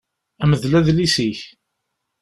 Mdel adlis-ik